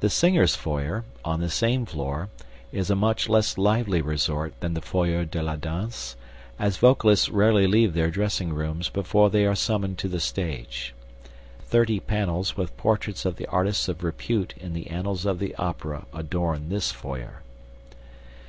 The singers' foyer, on the same floor, is a much less lively resort than the foyer de la danse, as vocalists rarely leave their dressing rooms before they are summoned to the stage. Thirty panels with portraits of the artists of repute in the annals of the Opera adorn this foyer.